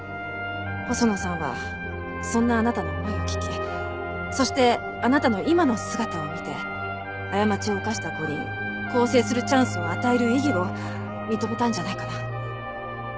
細野さんはそんなあなたの思いを聞きそしてあなたの今の姿を見て過ちを犯した子に更生するチャンスを与える意義を認めたんじゃないかな。